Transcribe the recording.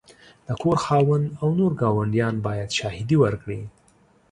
د کور خاوند او نور ګاونډیان باید شاهدي ورکړي.